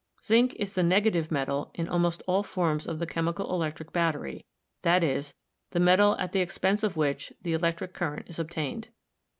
Zinc is the negative metal in almost all forms of the chemical electric battery — that is, the metal at the expense of which the electric current is obtained.